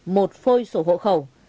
một phôi sổ hộ khẩu